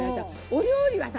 お料理はさ